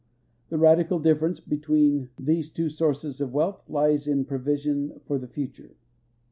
The radical difference between these two sources of wealth lies in provision for the future.